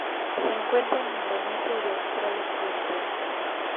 Se encuentra en Indonesia y Australia Occidental.